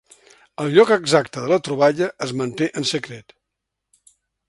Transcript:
El lloc exacte de la troballa es manté en secret.